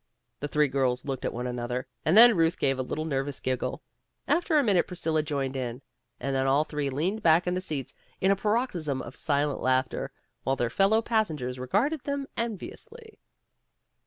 The three girls looked at one another, and then Euth gave a little nervous giggle. After a minute Priscilla joined in. And then all three leaned back in the seats in a paroxysm of A TRIUMPH OF ART 55 silent laughter, while their fellow passengers regarded them enviously.